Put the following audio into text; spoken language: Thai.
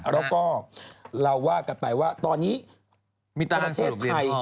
แล้วก็เราว่ากันไปว่าตอนนี้มีประเทศไทย